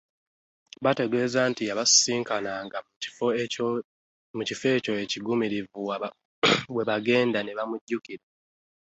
Baategeeza nti yabasisinkananga mu kifo ekyo ekigulumivu we baagenda ne bamujjukira.